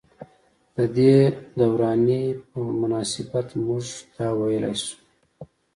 ددې دورانيې پۀ مناسبت مونږدا وئيلی شو ۔